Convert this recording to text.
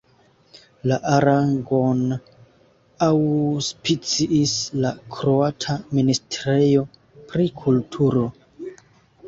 La aranĝon aŭspiciis la kroata Ministrejo pri Kulturo.